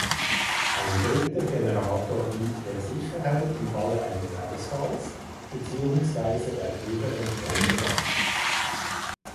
Ein dritter Generator dient der Sicherheit im Falle eines Ausfalls beziehungsweise bei höherem Strombedarf.